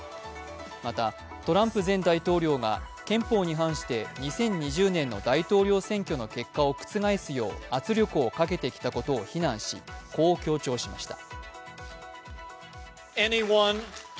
またトランプ前大統領が憲法に関して２０２０年の大統領選挙の結果を覆すよう、圧力をかけてきたことを非難しこう強調しました。